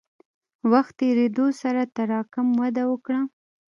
وخت تېرېدو سره تراکم وده وکړه.